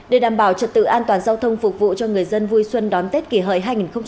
để đảm bảo trật tự an toàn giao thông phục vụ cho người dân vui xuân đón tết kỷ hợi hai nghìn một mươi chín